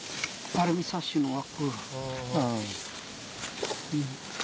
アルミサッシの枠。